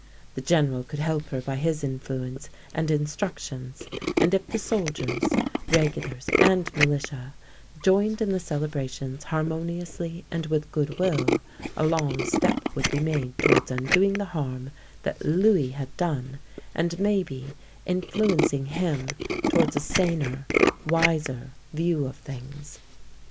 The General could help her by his influence and in structions, and if the soldiers — regulars and militia — joined in the celebrations harmoniously and with good will, a long step would be made towards undoing the harm that Louis had done and maybe influencing him towards a saner, wiser view of things.